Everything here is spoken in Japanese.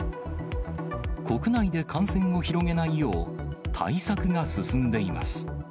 国内で感染を広げないよう、対策が進んでいます。